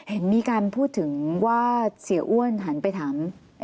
เห็นมีการพูดถึงว่าเสียอ้วนหันไปถาม